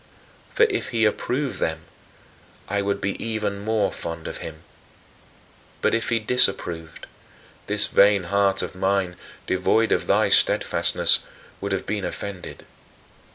For if he approved them, I would be even more fond of him; but if he disapproved, this vain heart of mine, devoid of thy steadfastness, would have been offended.